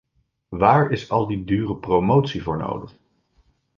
Waar is al die dure promotie voor nodig?